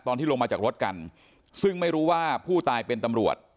ตอนที่ลงมาจากรถกันซึ่งไม่รู้ว่าผู้ตายเป็นตำรวจ